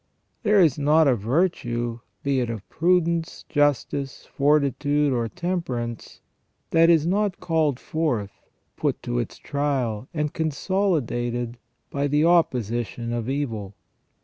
There is not a virtue, be it of prudence, justice, fortitude, or temperance, that is not called forth, put to its trial, and consolidated by the opposition of evil.